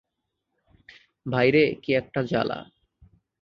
ভাইরে, কী একটা জ্বালা।